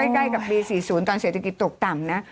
ใกล้กับปี๔๐ตอนเศรษฐกิจตกต่ำนะ